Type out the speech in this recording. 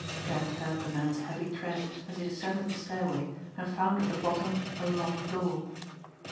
Trent heard the man's heavy tread as he descended the stairway and found at the bottom a locked door.